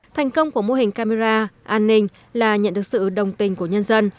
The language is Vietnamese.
thành công của mô hình camera an ninh là nhận được sự đồng tình của nhân dân